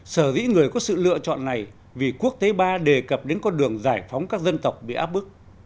sở dĩ người có sự lựa chọn này vì quốc tế ba đề cập đến con đường giải phóng các dân tộc bị áp bức